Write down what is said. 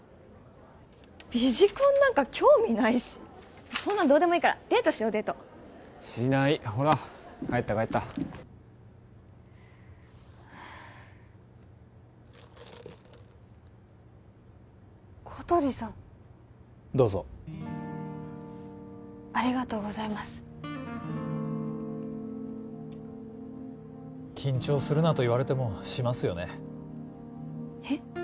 ビジコンなんか興味ないしそんなのどうでもいいからデートしよデートしないほら帰った帰った小鳥さんどうぞありがとうございます緊張するなと言われてもしますよねえ？